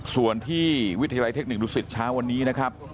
ส่วนที่วิทยาลัยเทคนิคดุสิตเช้าวันนี้นะครับ